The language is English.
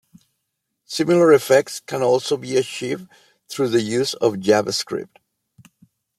Similar effects can also be achieved through the use of JavaScript.